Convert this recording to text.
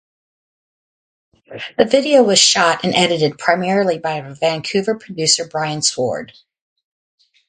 The video was shot and edited primarily by Vancouver producer Brian Sword.